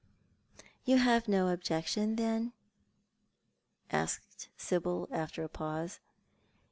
" You have no objection, then ?" asked Sibyl, after a pause.